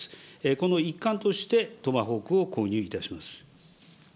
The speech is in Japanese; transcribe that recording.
この一環としてトマホークを購入いたします。